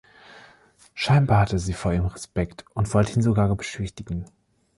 Scheinbar hatte sie vor ihm Respekt und wollte ihn sogar beschwichtigen.